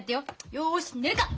よし寝るか！